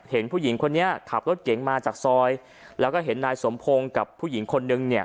เห็นผู้หญิงคนนี้ขับรถเก๋งมาจากซอยแล้วก็เห็นนายสมพงศ์กับผู้หญิงคนนึงเนี่ย